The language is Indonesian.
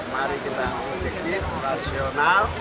mari kita menjadi rasional